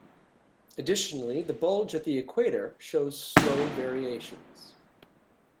Additionally, the bulge at the equator shows slow variations.